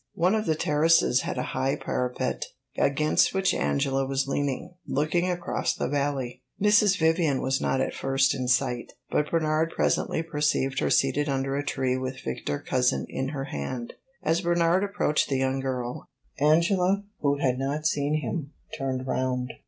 One of the terraces had a high parapet, against which Angela was leaning, looking across the valley. Mrs. Vivian was not at first in sight, but Bernard presently perceived her seated under a tree with Victor Cousin in her hand. As Bernard approached the young girl, Angela, who had not seen him, turned round.